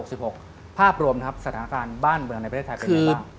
ในปี๒๕๖๖ภาพรวมสถานการณ์บ้านเมืองในประเทศไทยเป็นยังไงบ้าง